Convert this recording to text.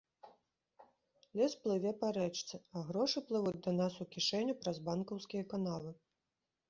Лес плыве па рэчцы, а грошы плывуць да нас у кішэню праз банкаўскія канавы.